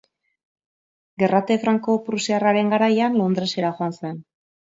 Gerrate franko-prusiarraren garaian Londresera joan zen.